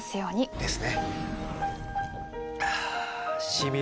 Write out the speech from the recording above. ですね。